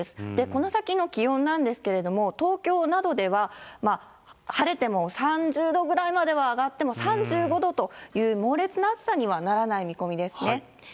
この先の気温なんですけれども、東京などでは、晴れても３０度ぐらいまでは上がっても、３５度という猛烈な暑さにはならない見込みですね。